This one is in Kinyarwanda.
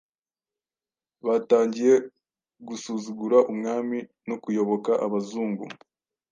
batangiye gusuzugura umwami no kuyoboka Abazungu